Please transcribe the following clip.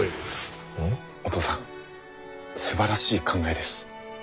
お父さんすばらしい考えです。